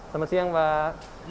selamat siang pak